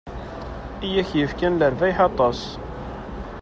I ak-yefkan lerbayeḥ aṭas.